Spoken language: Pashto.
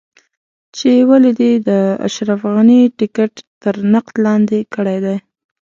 چې ولې دې د اشرف غني ټکټ تر نقد لاندې کړی دی.